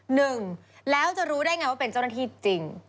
หนึ่งแล้วจะรู้ได้ไงว่าเป็นเจ้าหน้าที่จริง